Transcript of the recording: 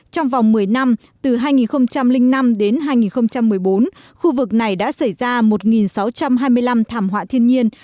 trong vòng một mươi năm từ hai nghìn năm đến hai nghìn một mươi bốn khu vực này đã xảy ra một sáu trăm hai mươi năm thảm họa thiên nhiên